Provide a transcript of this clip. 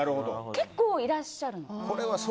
結構いらっしゃるの。